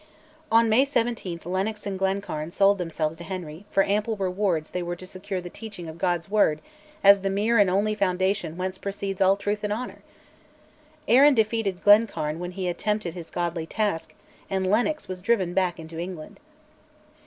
On May 17 Lennox and Glencairn sold themselves to Henry; for ample rewards they were to secure the teaching of God's word "as the mere and only foundation whence proceeds all truth and honour"! Arran defeated Glencairn when he attempted his godly task, and Lennox was driven back into England.